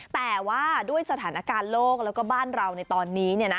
แต่ว่าด้วยสถานการณ์โลกแล้วก็บ้านเราในตอนนี้